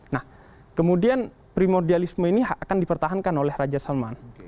nah kemudian primordialisme ini akan dipertahankan oleh raja salman